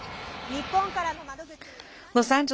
日本からの窓口